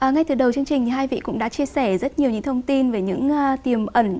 ngay từ đầu chương trình hai vị cũng đã chia sẻ rất nhiều những thông tin về những tiềm ẩn